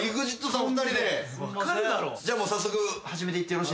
じゃあもう早速始めていってよろしいでしょうか？